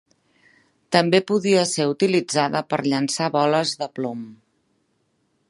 També podia ser utilitzada per llançar boles de plom.